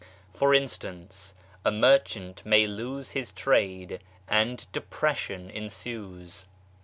For instance, a merchant may lose his trade and depression ensues.